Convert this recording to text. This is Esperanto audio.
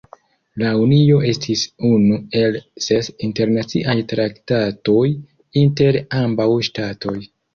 La unio estis unu el ses internaciaj traktatoj inter ambaŭ ŝtatoj.